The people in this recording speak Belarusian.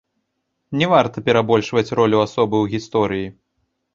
Не варта перабольшваць ролю асобы ў гісторыі.